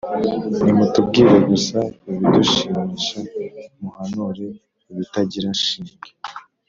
nimutubwire gusa ibidushimisha, muhanure ibitagira shinge.